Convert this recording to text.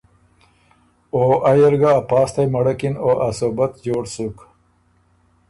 او ائ ال ګه ا پاستئ مړکِن او ا صوبت جوړ سُک۔